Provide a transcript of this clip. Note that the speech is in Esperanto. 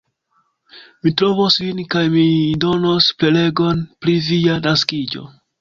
Mi trovos vin kaj mi donos prelegon pri via naskiĝo.